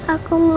aku mau mama pak